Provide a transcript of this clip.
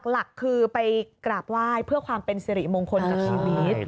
หลักคือไปกราบไหว้เพื่อความเป็นสิริมงคลกับชีวิต